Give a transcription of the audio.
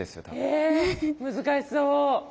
え難しそう。